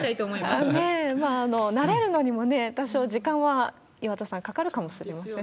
慣れるのにもね、多少時間は、岩田さん、かかるかもしれませんね。